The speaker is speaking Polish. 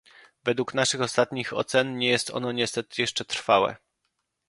Według naszych ostatnich ocen, nie jest ono niestety jeszcze trwałe